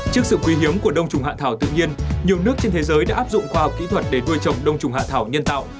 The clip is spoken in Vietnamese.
trước sự quý hiếm của đông trùng hạ thảo tự nhiên nhiều nước trên thế giới đã áp dụng khoa học kỹ thuật để nuôi trồng đông trùng hạ thảo nhân tạo